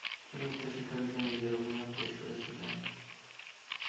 তিনি উচ্চ শিক্ষা বিষয়ে নিজের অভিমত পেশ করেছিলেন।